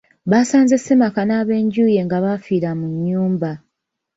Basanze ssemaka n'ab'enju ye nga baafiira mu nnyumba.